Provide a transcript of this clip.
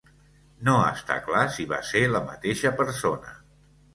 No està clar si va ser la mateixa persona.